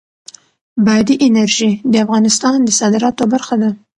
بادي انرژي د افغانستان د صادراتو برخه ده.